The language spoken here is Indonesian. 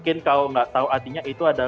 kalau gak tau artinya